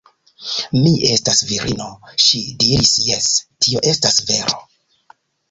Mi estas virino, ŝi diris, jes, tio estas vero.